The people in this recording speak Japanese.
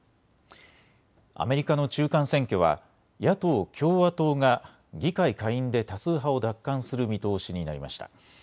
アメリカの中間選挙は野党・共和党が議会下院で多数派を奪還する見通しになりました。